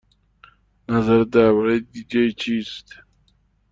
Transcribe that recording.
نظرت درباره دی جی چیست؟